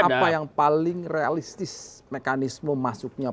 apa yang paling realistis mekanisme masuknya